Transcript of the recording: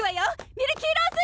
ミルキィローズ！